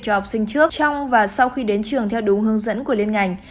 cho học sinh trước trong và sau khi đến trường theo đúng hướng dẫn của liên ngành